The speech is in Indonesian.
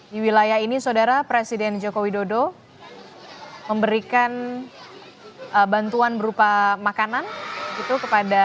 di wilayah ini saudara presiden joko widodo memberikan bantuan berupa makanan itu kepada